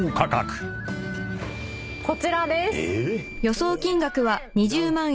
こちらです。